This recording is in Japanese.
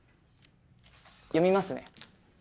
読みますね。